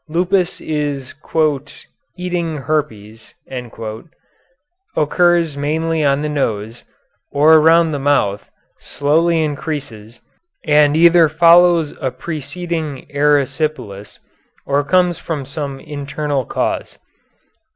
Lupus is "eating herpes," occurs mainly on the nose, or around the mouth, slowly increases, and either follows a preceding erysipelas or comes from some internal cause.